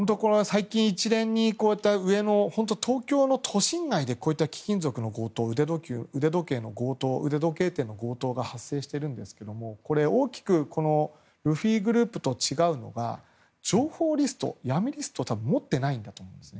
最近、一連にこういった上野、東京の都心街でこういった貴金属の強盗腕時計店の強盗が発生していますが大きくルフィグループと違うのは情報リスト、闇リストを多分持っていないんだと思います。